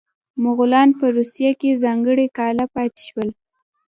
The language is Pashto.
مغولان په روسیه کې ځانګړي کاله پاتې شول.